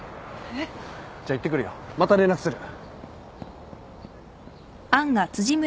えっ？じゃ行ってくるよまた連絡する。